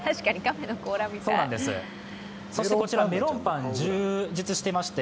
そしてこちらメロンパン充実していまして